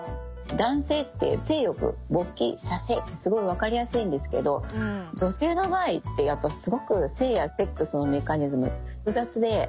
男性って性欲勃起射精ってすごい分かりやすいんですけど女性の場合ってやっぱすごく性やセックスのメカニズム複雑で。